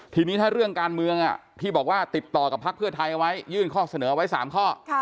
ทีนี้ถ้าเรื่องการเมืองที่บอกว่าติดต่อกับพักเพื่อไทยเอาไว้ยื่นข้อเสนอไว้๓ข้อ